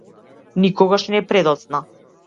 Никогаш не е предоцна.